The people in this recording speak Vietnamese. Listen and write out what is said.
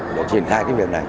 để triển khai cái việc này